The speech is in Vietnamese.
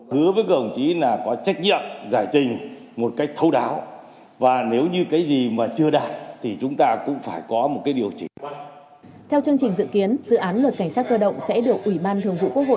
theo chương trình dự kiến dự án luật cảnh sát cơ động sẽ được ủy ban thường vụ quốc hội